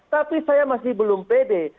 tapi saya masih belum pede